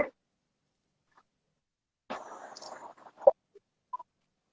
vaksinnya aktif gitu pertanyaannya